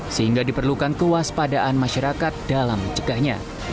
sehingga diperlukan kewaspadaan masyarakat dalam mencegahnya